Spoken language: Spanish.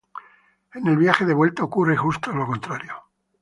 En el viaje de vuelta ocurre justo lo contrario.